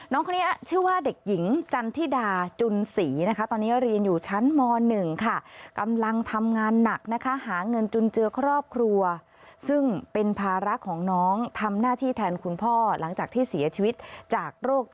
น้องคนนี้ชื่อว่าเด็กหญิงจันทิดาจุนศรีนะคะ